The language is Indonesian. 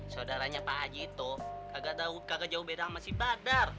saudaranya pak haji tuh kagak jauh beda sama si badar